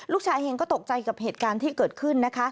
ลูกชายเองก็ตกใจกับเหตุการณ์ที่เกิดขึ้นนะคะ